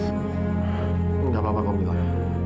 gak apa apa kak fadl